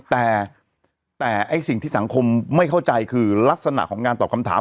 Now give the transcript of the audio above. แต่แต่ไอ้สิ่งที่สังคมไม่เข้าใจคือลักษณะของงานตอบคำถาม